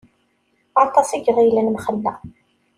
Aṭas i iɣillen mxelleɣ.